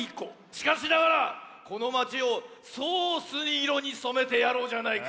しかしながらこのまちをソースいろにそめてやろうじゃないか。